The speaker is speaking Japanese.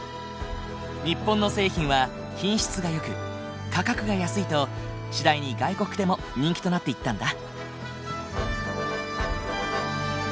日本の製品は品質がよく価格が安いと次第に外国でも人気となっていったんだ。